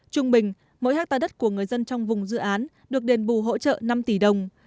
trung bình mỗi hectare đất của người dân trong vùng dự án được đền bù hỗ trợ năm tỷ đồng